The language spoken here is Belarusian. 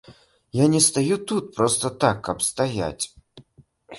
Я не стаю тут проста так, каб стаяць.